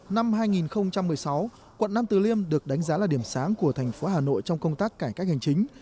năm hai nghìn một mươi sáu quận nam từ liêm được đánh giá là điểm sáng của thành phố hà nội trong công tác cải cách hành chính